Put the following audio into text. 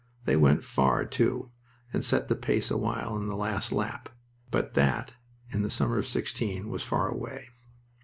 They went far, too, and set the pace awhile in the last lap. But that, in the summer of '16, was far away.